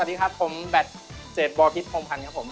สวัสดีครับผมแบตเศษบอพิษพงพันธ์ครับผม